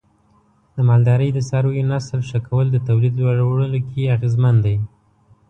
د مالدارۍ د څارویو نسل ښه کول د تولید لوړولو کې اغیزمن دی.